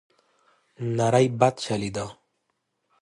نری باد چلېده.